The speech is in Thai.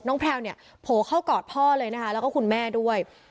แพลวเนี่ยโผล่เข้ากอดพ่อเลยนะคะแล้วก็คุณแม่ด้วย